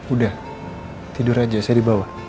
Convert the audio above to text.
udah tidur aja saya di bawah